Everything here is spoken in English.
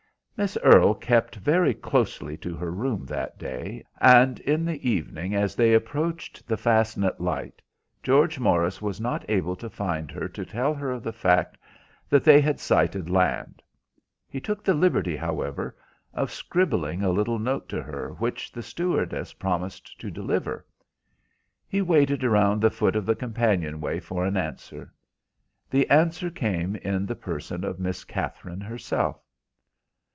Miss Earle kept very closely to her room that day, and in the evening, as they approached the Fastnet Light, George Morris was not able to find her to tell her of the fact that they had sighted land. He took the liberty, however, of scribbling a little note to her, which the stewardess promised to deliver. He waited around the foot of the companion way for an answer. The answer came in the person of Miss Katherine herself.